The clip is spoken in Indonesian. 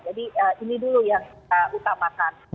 jadi ini dulu yang kita utamakan